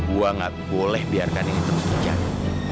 gua gak boleh biarkan ini terus hujan